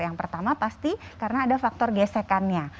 yang pertama pasti karena ada faktor gesekannya